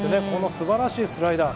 すばらしいスライダー。